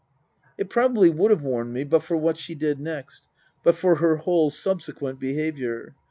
It probably would have warned me but for what she did next ; but for her whole subsequent behaviour.